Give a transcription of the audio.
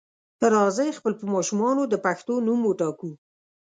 راځئ خپل په ماشومانو د پښتو نوم وټاکو.